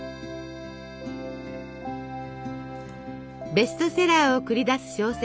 ベストセラーを繰り出す小説